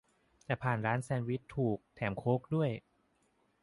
แต่ผ่านร้านแซนด์วิชถูก แถมโค้กด้วย